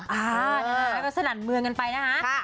ใดบัดสนัดเมืองไปกันนะคะ